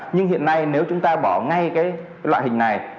nhưng hiện nay nếu chúng ta bỏ ngay cái loại hình này